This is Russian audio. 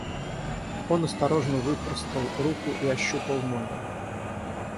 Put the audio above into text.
Он осторожно выпростал руку и ощупал ноги.